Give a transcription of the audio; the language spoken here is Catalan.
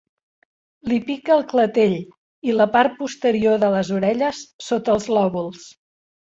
Li pica el clatell i la part posterior de les orelles, sota els lòbuls.